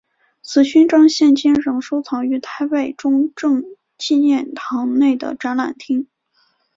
此勋章现今仍收藏于台北中正纪念堂内的展览厅。